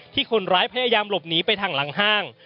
คนร้ายพยายามหลบหนีไปทางหลังห้าง